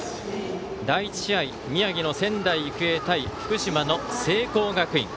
第１試合、宮城の仙台育英対福島の聖光学院。